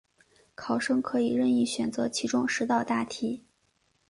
考生可以任意选择其中十道大题